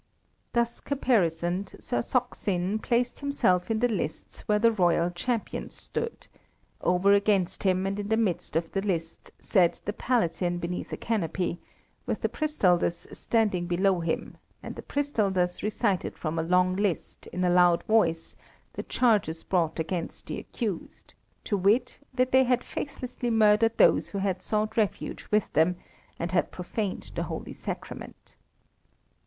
Thus caparisoned, Sir Saksin planted himself in the lists where the royal champion stood; over against him and in the midst of the lists sat the Palatine beneath a canopy, with the Pristaldus standing below him, and the Pristaldus recited from a long list, in a loud voice, the charges brought against the accused, to wit, that they had faithlessly murdered those who had sought refuge with them, and had profaned the Holy Sacrament.